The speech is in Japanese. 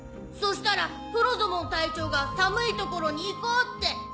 そしたらフロゾモン隊長が寒いところに行こうって。